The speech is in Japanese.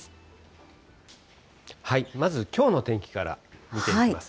まずきょうの天気から見ていきます。